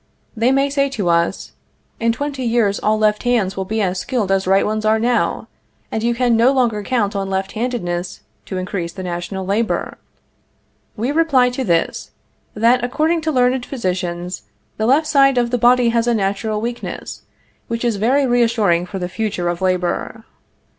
They may say to us: In twenty years all left hands will be as skilled as right ones are now, and you can no longer count on left handedness to increase the national labor. We reply to this, that, according to learned physicians, the left side of the body has a natural weakness, which is very reassuring for the future of labor.